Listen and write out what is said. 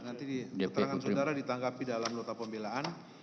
keterangan saudara ditangkap dalam nota pembelaan